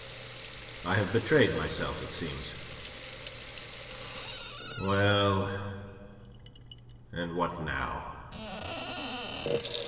I have betrayed myself, it seems. Well, and what now?